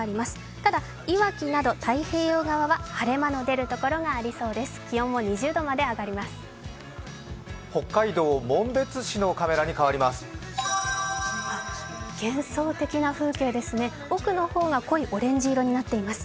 ただ、いわきなど太平洋側は晴れ間の出る所がありそうです。